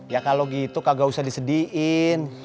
ya kalau gitu kak gak usah disedihin